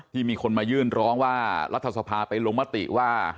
มีคนมายื่นร้องว่ารัฐสภาไปลงมติว่า